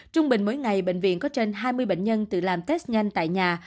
trung bình mỗi ngày bệnh viện có trên hai mươi bệnh nhân tự làm test nhanh tại nhà